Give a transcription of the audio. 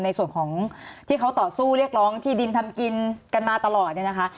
ในส่วนของที่เขาต่อสู้เรียกร้องที่ดินทำกินกันมาตลอดเนี่ยนะคะ